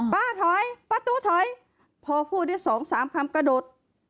ป้าถอยป้าตูถอยพอพูดได้สองสามคำกระโดด